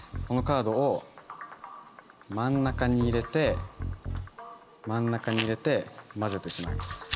このカードを真ん中に入れて真ん中に入れて交ぜてしまいます。